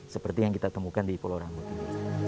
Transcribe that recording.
seperti yang kita temukan di pulau rambut ini